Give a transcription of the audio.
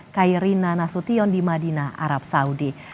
kairina nasution di madinah arab saudi